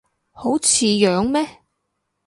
好似樣咩